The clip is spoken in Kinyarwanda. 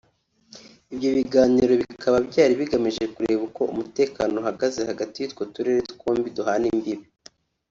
Ibyo biganiro bikaba byari bigamije kureba uko umutekano uhagaze hagati y’utwo turere twombi duhana imbibi